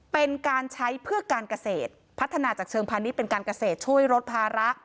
เป็นการใช้เพื่อการเกษตรพัฒนาจากเชิงพาณิชย์เป็นการเกษตรช่วยลดภาระ